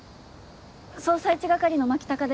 捜査一係の牧高です。